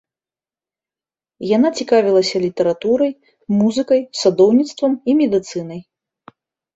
Яна цікавілася літаратурай, музыкай, садоўніцтвам і медыцынай.